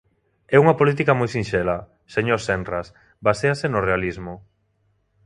É unha política moi sinxela, señor Senras, baséase no realismo.